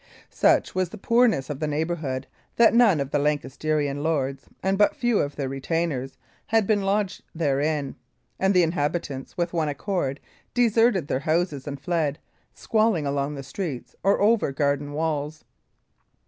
Such was the poorness of the neighbourhood that none of the Lancastrian lords, and but few of their retainers, had been lodged therein; and the inhabitants, with one accord, deserted their houses and fled, squalling, along the streets or over garden walls.